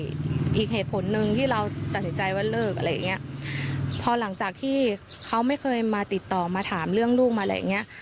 อีกเหตุผลหนึ่งที่เราตัดสินใจว่าเลิกอะไรอย่างเงี้ยพอหลังจากที่เขาไม่เคยมาติดต่อมาถามเรื่องลูกมาอะไรอย่างเงี้ย